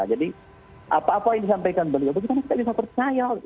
jadi apa apa yang disampaikan beliau kita bisa percaya